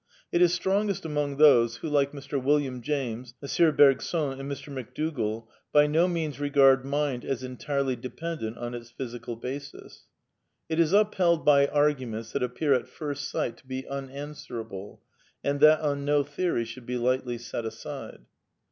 It is strongest among those who, like Mr. William James, M. Bergson, and Mr. McDougall, by no means regard mind as entirely dependent on its physical basis. It is upheld by arguments that appear at first sight to be unanswerable, and that on no theory should be lightly set aside.